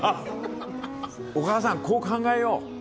お母さん、こう考えよう。